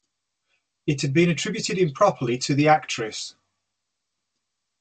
It had been attributed improperly to the actress.